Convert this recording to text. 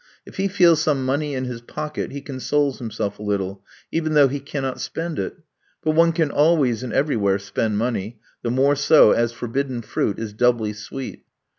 If he feels some money in his pocket, he consoles himself a little, even though he cannot spend it but one can always and everywhere spend money, the more so as forbidden fruit is doubly sweet.